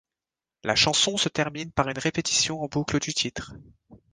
La chanson se termine par une répétition en boucle du titre.